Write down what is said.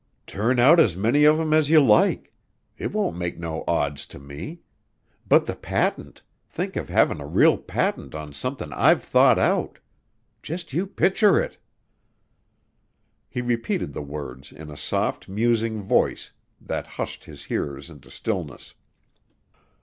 Turn out as many of 'em as you like. It won't make no odds to me. But the patent think of havin' a real patent on somethin' I've thought out! Just you picture it!" He repeated the words in a soft, musing voice that hushed his hearers into stillness.